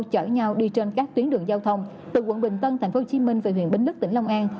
chở nhau đi trên các tuyến đường giao thông từ quận bình tân tp hcm về huyện bến lức tỉnh long an